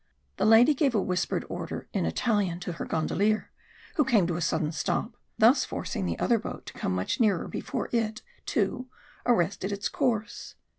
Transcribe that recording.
The lady gave a whispered order in Italian to her gondolier, who came to a sudden stop, thus forcing the other boat to come much nearer before it, too, arrested its course.